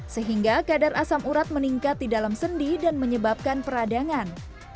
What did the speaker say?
sehingga kadar asam urat meningkat di dalam sendi dan menyebabkan peradangan